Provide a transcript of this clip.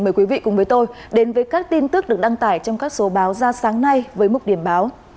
mời quý vị cùng với tôi đến với các tin tức được đăng tải trong các số báo ra sáng nay với mục điểm báo